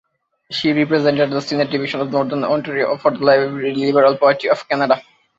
She represented the senate division of Northern Ontario for the Liberal Party of Canada.